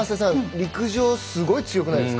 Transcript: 陸上すごい強くないですか？